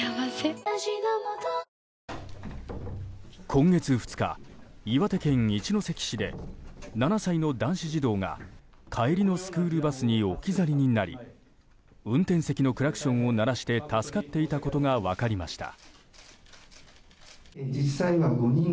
今月２日、岩手県一関市で７歳の男子児童が帰りのスクールバスに置き去りになり運転席のクラクションを鳴らして助かっていたことが分かりました。